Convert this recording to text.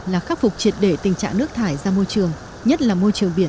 là khắc phục triệt để tình trạng nước thải ra môi trường nhất là môi trường biển